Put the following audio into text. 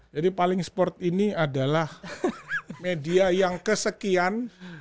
jadi paling sport ini adalah media yang kesekian